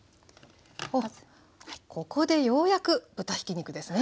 ここでようやく豚ひき肉ですね。